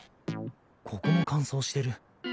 ここも乾燥してる。